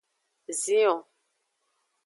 Zion.